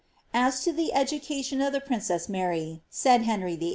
''As to the education of the princess Mary," said Henry VIII.